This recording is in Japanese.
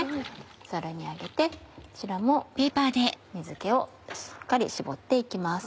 ザルに上げてこちらも水気をしっかり絞って行きます。